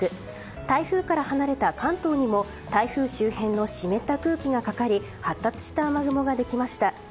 台風から離れた関東にも台風周辺の湿った空気がかかり発達した雨雲ができました。